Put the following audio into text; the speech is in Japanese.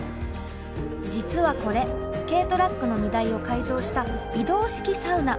実はこれ軽トラックの荷台を改造した移動式サウナ。